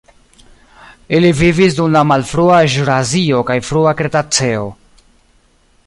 Ili vivis dum la malfrua ĵurasio kaj frua kretaceo.